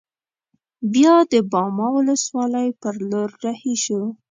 بیا د باما ولسوالۍ پر لور رهي شوو.